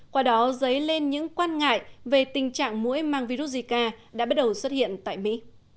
qua đó dấy lên những quan ngại về tình trạng mũi mang virus zika đã bắt đầu xuất hiện tại mỹ